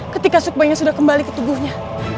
ketika sukmanya sudah kembali ke tubuhnya